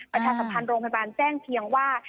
ประชาสัมพันธ์โรงพยาบาลแจ้งเพียงว่า